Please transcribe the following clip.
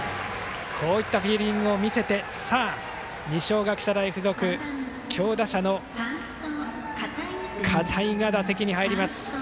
こういったフィールディングを見せて二松学舎大付属、強打者の片井が打席に入ります。